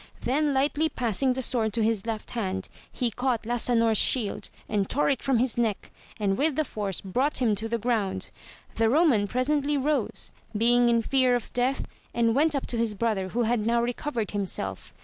Then lightly passing the sword to his left hand he caught Lasanor's shield and tore it from his neck, and with the force brought him to the ground. The Roman presently rose, being in fear of death, and went up to his brother who had now re covered himself.